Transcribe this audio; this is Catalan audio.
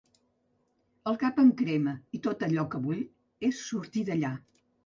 El cap em crema i tot allò que vull és sortir d’allà.